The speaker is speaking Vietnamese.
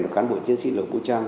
các cán bộ chiến sĩ lực vũ trang